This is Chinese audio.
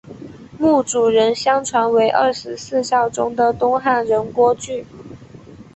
墓主人相传为二十四孝中的东汉人郭巨。